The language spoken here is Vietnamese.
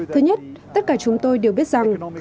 thứ nhất tất cả chúng tôi đều biết rằng